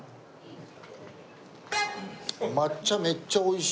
抹茶めっちゃ美味しい。